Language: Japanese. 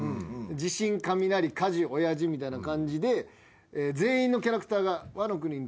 地震雷火事親父みたいな感じで全員のキャラクターがワノ国に来ると。